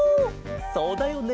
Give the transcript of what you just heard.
そうだよね